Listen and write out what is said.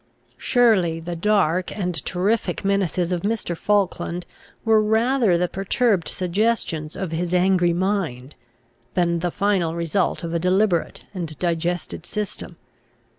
Surely the dark and terrific menaces of Mr. Falkland were rather the perturbed suggestions of his angry mind, than the final result of a deliberate and digested system!